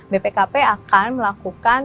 bpkp akan melakukan